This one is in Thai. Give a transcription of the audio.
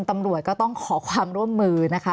ตำรวจก็ต้องขอความร่วมมือนะคะ